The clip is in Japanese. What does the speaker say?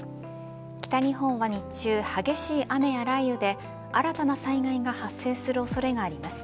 北日本は日中、激しい雨や雷雨で新たな災害が発生する恐れがあります。